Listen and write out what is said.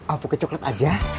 ah pake coklat aja